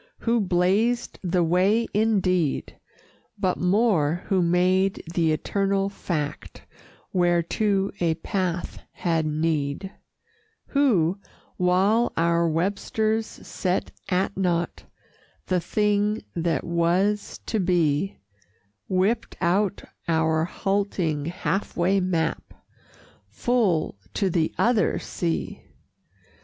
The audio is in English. Who blazed the way, indeed, But more who made the eternal Fact Whereto a path had need; Who, while our Websters set at naught The thing that Was to Be, Whipped out our halting, half way map Full to the Other Sea!